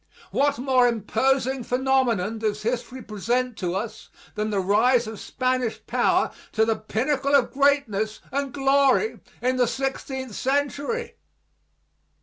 What more imposing phenomenon does history present to us than the rise of Spanish power to the pinnacle of greatness and glory in the sixteenth century?